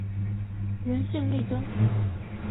原姓粟根。